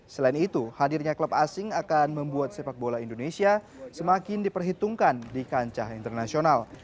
selain itu hadirnya klub asing akan membuat sepak bola indonesia semakin diperhitungkan di kancah internasional